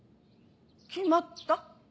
決まった？